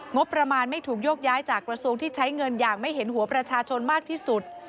งบประมาณไม่ถูกโยกย้ายจากกระทรวงที่ใช้เงินอย่างไม่เห็นหัวประชาชนมากที่สุด